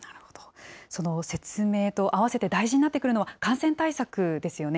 その説明と合わせて大事になってくるのは、感染対策ですよね。